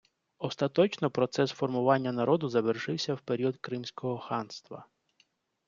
Остаточно процес формування народу завершився в період Кримського ханства.